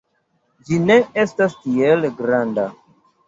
Ĝi ne estas tiel granda.